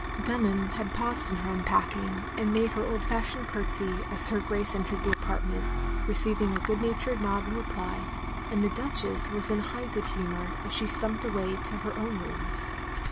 Dunham had paused in her unpacking, and made her old fashioned curtsey as her Grace entered the apartment, receiving a good natured nod in reply; and the Duchess was in high good humour as she stumped away to her own rooms.